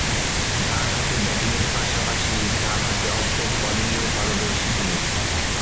ডানহাতে ব্যাটিংয়ের পাশাপাশি ডানহাতে অফ ব্রেক বোলিংয়েও পারদর্শী তিনি।